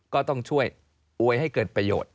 ก็ต้องช่วยอวยให้เกิดประโยชน์